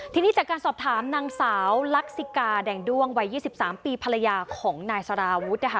ทีนี้จากการสอบถามนางสาวลักษิกาแดงด้วงวัย๒๓ปีภรรยาของนายสาราวุฒินะคะ